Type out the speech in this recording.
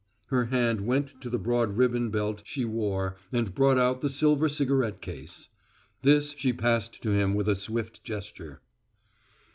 Her hand went to the broad ribbon belt she wore and brought out the silver cigarette case. This she passed to him with a swift gesture.